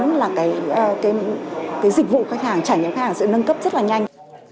là cái dịch vụ khách hàng trải nghiệm khách hàng sẽ nâng cấp rất là nhanh